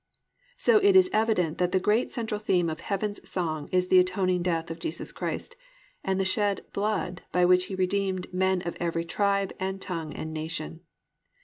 So it is evident that the great central theme of heaven's song is the atoning death of Jesus Christ, and the shed "blood" by which He redeemed "men of every tribe, and tongue, and nation."